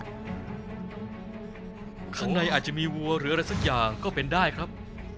เชฟทุกท่านออกมายืนหน้าเตาเพื่อรับคำท่าที่หนึ่งของคุณได้เลยครับ